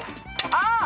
あっ！